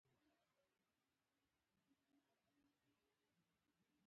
د حاصلاتو د خرابېدو مخنیوي لپاره باید معیاري ذخیره ګاهونه ولري.